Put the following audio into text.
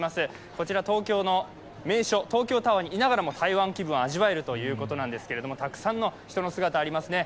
こちら、東京の名所、東京タワーにいながらも台湾気分を味わえるということなんですけれども、たくさんの人の姿、ありますね。